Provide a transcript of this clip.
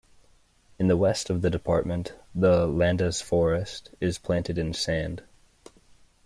In the west of the department, the Landes forest is planted in sand.